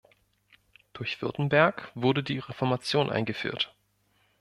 Durch Württemberg wurde die Reformation eingeführt.